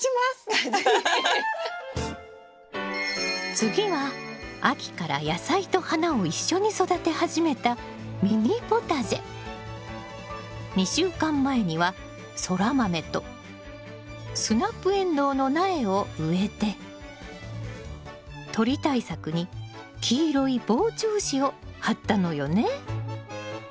次は秋から野菜と花を一緒に育て始めた２週間前にはソラマメとスナップエンドウの苗を植えて鳥対策に黄色い防鳥糸を張ったのよね。